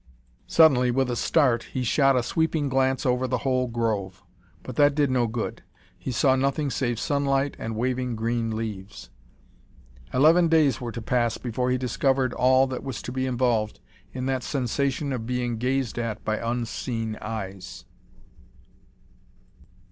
Suddenly, with a start, he shot a sweeping glance over the whole grove. But that did no good. He saw nothing save sunlight and waving green leaves. Eleven days were to pass before he discovered all that was to be involved in that sensation of being gazed at by unseen eyes.